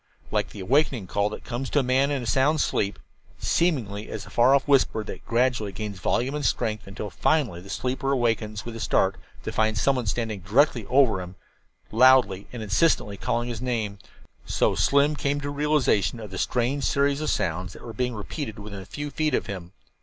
Like the awakening call that comes to a man in a sound sleep seemingly as a far off whisper that gradually gathers volume and strength until finally the sleeper awakes with a start to find someone standing directly over him, loudly and insistently calling his name so Slim came to a realization of the strange series of sounds that were being repeated within a few feet of him.